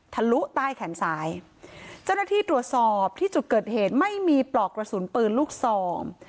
ลุใต้แขนซ้ายเจ้าหน้าที่ตรวจสอบที่จุดเกิดเหตุไม่มีปลอกกระสุนปืนลูกซอง